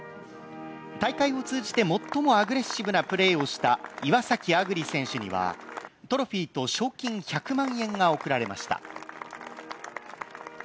大会を通じて最もアグレッシブなプレーをした岩崎亜久竜選手には、トロフィーと賞金１００万円が贈られました。